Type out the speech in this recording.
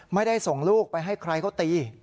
ไม่ได้ส่งลูกไปให้ใครเขาตี